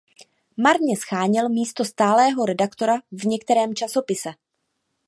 Marně sháněl místo stálého redaktora v některém časopise.